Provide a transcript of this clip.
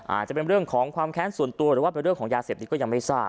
อาจจะเป็นเรื่องของความแค้นส่วนตัวหรือว่าเป็นเรื่องของยาเสพนี้ก็ยังไม่ทราบ